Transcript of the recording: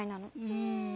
うん。